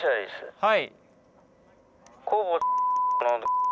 はい。